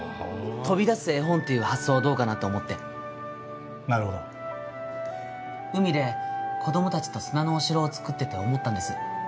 飛び出す絵本っていう発想はどうかなと思ってなるほど海で子供達と砂のお城を作ってて思ったんです